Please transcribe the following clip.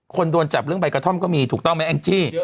คนโดนจับเรื่องใบกระท่อมก็มีถูกต้องไหมแองจี้